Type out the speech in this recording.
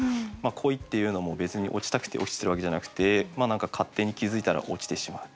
恋っていうのも別に落ちたくて落ちてるわけじゃなくて何か勝手に気付いたら落ちてしまう。